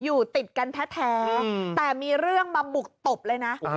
อยู่ติดกันแท้แต่มีเรื่องมาบุกตบเลยนะ